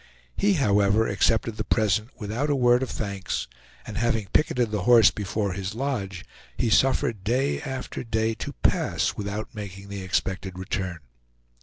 He however accepted the present without a word of thanks, and having picketed the horse before his lodge, he suffered day after day to pass without making the expected return.